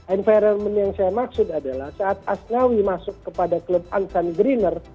environment yang saya maksud adalah saat asnawi masuk kepada klub ansan greener